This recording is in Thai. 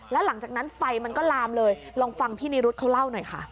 แล้วหลังจากนั้นไฟมันก็ลามเลยลองฟังพี่นิรุธเขาเล่าหน่อยค่ะ